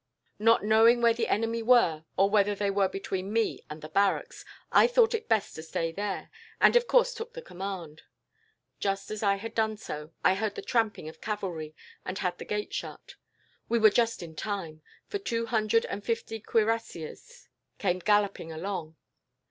Not knowing where the enemy were, or whether they were between me and the barracks, I thought it best to stay there, and of course took the command. Just as I had done so, I heard the tramping of cavalry, and had the gate shut. We were just in time, for two hundred and fifty cuirassiers came galloping along.